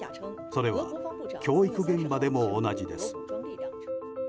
それは教育現場でも同じです。